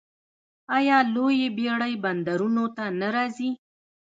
آیا لویې بیړۍ بندرونو ته نه راځي؟